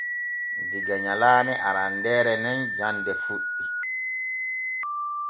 Diga nyalaane arandeere nin jande fuɗɗi.